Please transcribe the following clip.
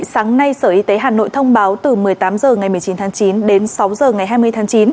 sáng nay sở y tế hà nội thông báo từ một mươi tám h ngày một mươi chín tháng chín đến sáu h ngày hai mươi tháng chín